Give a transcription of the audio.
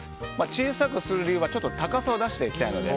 小さくする理由は高さを出していきたいので。